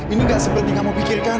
ini gak seperti kamu pikirkan